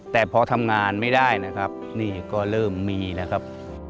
แต่พอทำงานไม่ได้นะครับนี่ก็เริ่มมีนะครับ